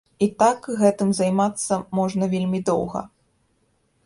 І так гэтым займацца можна вельмі доўга.